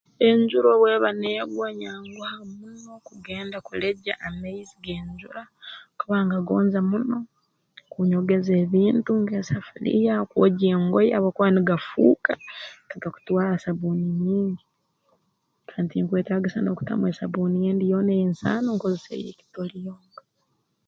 Enjura obu eba negwa nyanguha muno kugenda kulegya amaizi g'enjura kuba ngagonza muno kuunyogeza ebintu nk'esafuliya kwogya engoye habwokuba nigafuuka tigakutwara sabbuuni nyingi kandi tinkwetaagisa n'okutamu esabbuuni endi yoona ey'ensaano nkozesa ey'ekitoli yonka